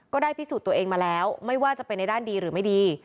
ก็ได้พิสูจน์ตัวเองมาแล้วไม่ว่าจะเป็นในด้านดีหรือไม่ดี